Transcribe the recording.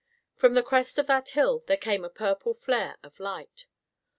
From the crest of that hill there came a purple flare of light.